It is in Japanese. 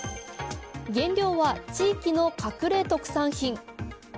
原料は地域の隠れ特産品。